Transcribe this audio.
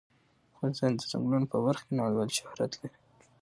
افغانستان د ځنګلونه په برخه کې نړیوال شهرت لري.